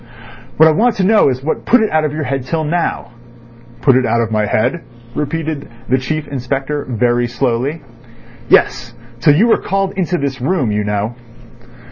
"What I want to know is what put it out of your head till now." "Put it out of my head," repeated the Chief Inspector very slowly. "Yes. Till you were called into this room—you know."